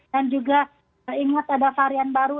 dan juga ingat ada varian baru